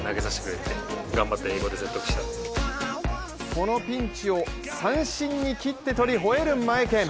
このピンチを三振に切って取り、ほえるマエケン。